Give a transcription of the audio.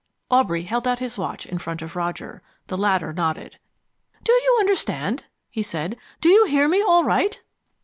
Aubrey held out his watch in front of Roger. The latter nodded. "Do you understand?" he said. "Do you hear me all right?"